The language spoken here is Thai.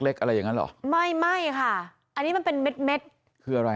อะไรอย่างนั้นเหรอไม่ไม่ค่ะอันนี้มันเป็นเม็ดเม็ดคืออะไร